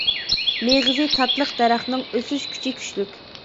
مېغىزى تاتلىق، دەرىخىنىڭ ئۆسۈش كۈچى كۈچلۈك.